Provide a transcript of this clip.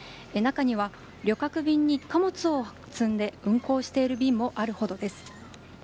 中には旅客便に貨物を積んで運航している便もあるほどです。